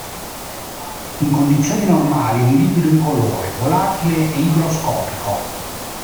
In condizioni normali è un liquido incolore, volatile e igroscopico.